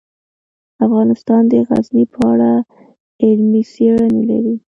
افغانستان د غزني په اړه علمي څېړنې لري.